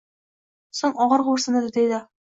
Soʻng ogʻir xoʻrsindi-da, dedi